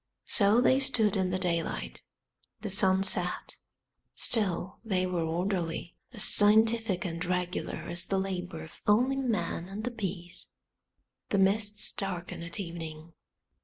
So they stood in the daylight. The sun set, still they were orderly, as scientific and regular as the labour of only man and the bees. The mists darken at evening.